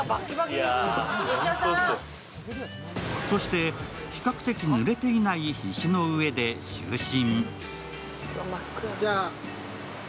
そして、比較的ぬれていない石の上で就寝。